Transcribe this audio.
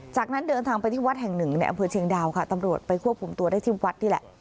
จากนั้นเดินทางไปที่วัดแห่งหนึ่งในอำเภอเชียงดาวค่ะตำรวจไปควบคุมตัวได้ที่วัดนี่แหละ